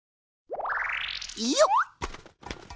よっ！